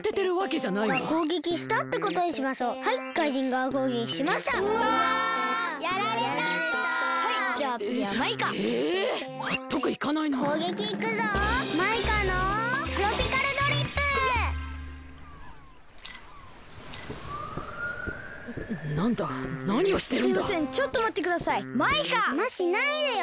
じゃましないでよ！